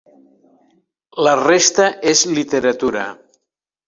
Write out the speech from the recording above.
La resta és literatura.